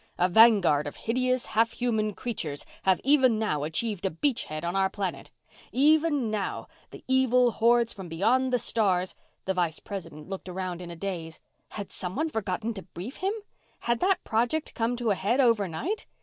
A vanguard of hideous, half human creatures have even now achieved a beach head on our planet. Even now, the evil hordes from beyond the stars ..." The Vice President looked around in a daze. Had someone forgotten to brief him? Had that project come to a head overnight?